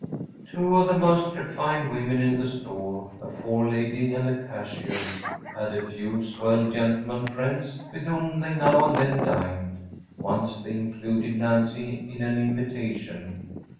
‚ÄĚ Two of the most ‚Äúrefined‚ÄĚ women in the store‚ÄĒa forelady and a cashier‚ÄĒhad a few “swell gentlemen friends‚ÄĚ with whom they now and then dined. Once they included Nancy in an invitation.